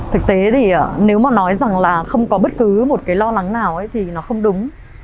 thực tế thì nếu mà nói rằng là không có bất cứ một cái lo lắng nào thì nó không đúng